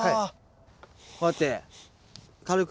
こうやって軽く。